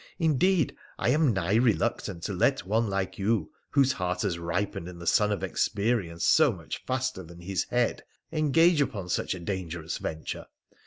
Indeed, I am nigh reluctant to let one like you, whose heart has ripened in the sun of experience so much faster than his head, engage upon such a dangerous venture.